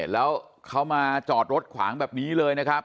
แล้วเขามาจอดรถขวางแบบนี้เลยนะครับ